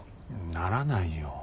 ならないよ。